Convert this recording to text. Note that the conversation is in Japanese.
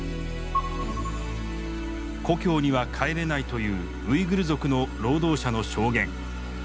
「故郷には帰れない」というウイグル族の労働者の証言。